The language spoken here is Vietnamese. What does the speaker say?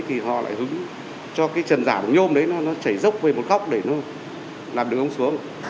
thì họ lại hứng cho cái chân giả của nhôm đấy nó chảy dốc về một góc để nó làm đường xuống